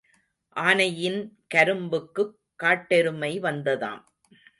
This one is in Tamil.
ஆனையின் கரும்புக்குக் காட்டெருமை வந்ததாம்.